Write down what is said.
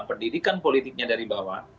pendidikan politiknya dari bawah